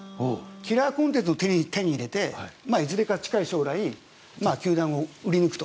キラーコンテンツを手に入れていずれか近い将来球団を売り抜くと。